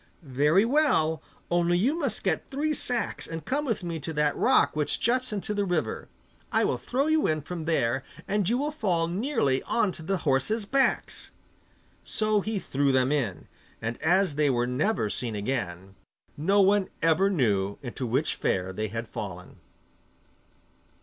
'Very well; only you must get three sacks and come with me to that rock which juts into the river. I will throw you in from there, and you will fall nearly on to the horses' backs.' So he threw them in, and as they were never seen again, no one ever knew into which fair they had fallen.